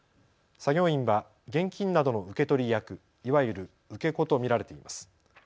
作業員は現金などの受け取り役、いわゆる受け子と見られています。